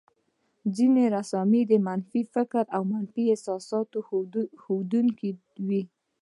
ځينې رسامۍ د منفي فکر او منفي احساساتو ښودونکې وې.